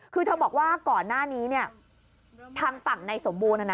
คือเธอบอกว่าก่อนหน้านี้เนี่ยทางฝั่งในสมบูรณ์